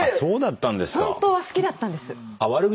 本当は好きだったんです。